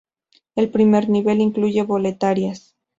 El primer nivel incluye boleterías.